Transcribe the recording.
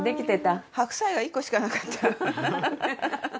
財前：白菜が１個しかなかった。